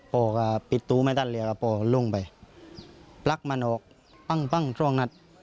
พ่อก็ปิดตัวไม่ตัดเลยก็พ่อลงไปปลั๊กมันออกปั้งช่วงนัด